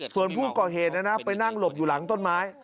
ส่วนผู้ก่อเหตุไปนั่งหลบอยู่หลังต้นไม้